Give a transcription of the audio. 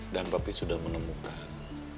dan papi sudah menemukan